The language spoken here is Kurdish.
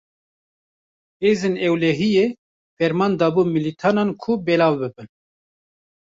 Hêzên ewlehiyê, ferman dabû milîtanan ku belav bibin